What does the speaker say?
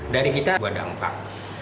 dari kita ada dampak